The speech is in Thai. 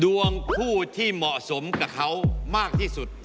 ดวงคู่ที่เหมาะสมกับเขามากที่สุด